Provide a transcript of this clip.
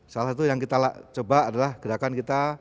salah satu yang kita coba adalah gerakan kita